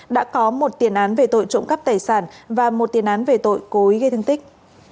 đã có một tiền án về tội trộm cắp tài sản và một tiền án về tội cố ý gây thương tích